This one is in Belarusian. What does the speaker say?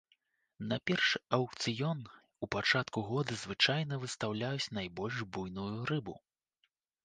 На першы аўкцыён у пачатку года звычайна выстаўляюць найбольш буйную рыбу.